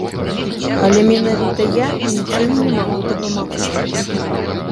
Але менавіта я нічым не магу дапамагчы.